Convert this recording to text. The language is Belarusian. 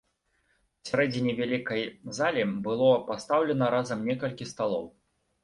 Пасярэдзіне вялікай залі было пастаўлена разам некалькі сталоў.